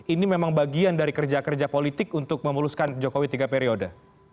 ini memang bagian dari kerja kerja politik untuk memuluskan jokowi tiga periode